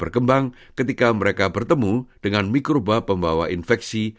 berkembang ketika mereka bertemu dengan mikroba pembawa infeksi